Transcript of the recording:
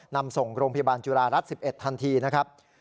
นำส่งโรงพยาบาลจุฬารัฐ๑๑ทันทีนะครับ